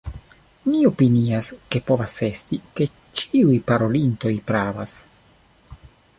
Mi opinias, ke povas esti, ke ĉiuj parolintoj pravas.